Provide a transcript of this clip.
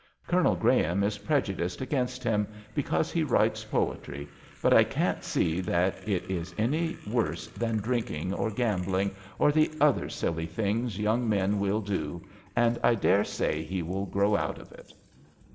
Colonel Graham is prejudiced against him because he writes poetry, but I can't see that it is any worse than drinking or gambling, or the other silly things young men will do, and I daresay he will grow out of it."